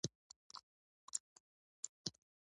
ایا پاکو اوبو ته لاسرسی لرئ؟